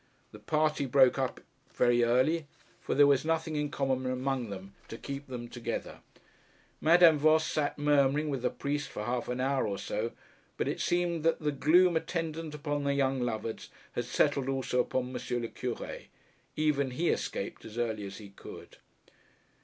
The party broke up very early, for there was nothing in common among them to keep them together. Madame Voss sat murmuring with the priest for half an hour or so; but it seemed that the gloom attendant upon the young lovers had settled also upon M. le Cure. Even he escaped as early as he could.